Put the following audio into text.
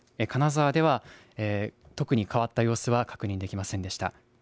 金沢では特に変わった様子は確認できませんでした。